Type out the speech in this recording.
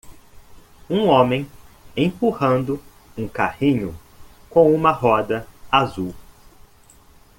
Um homem empurrando um carrinho com uma roda azul.